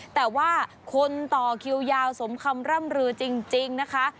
แต่ว่าคนต่อคิวยาวสมคำร่ำรือจริงนะคะ